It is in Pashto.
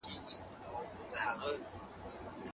دا کتاب د ادبیاتو د نړۍ یوه نه تکرارېدونکې معجزه ده.